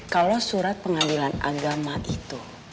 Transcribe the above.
kalau surat pengadilan agama itu